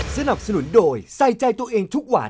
สนับสนุนโดยใส่ใจตัวเองทุกวัน